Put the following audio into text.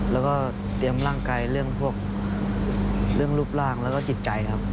แล้วก็เตรียมร่างกายเรื่องพวกเรื่องรูปร่างแล้วก็จิตใจครับ